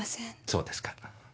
そうですか。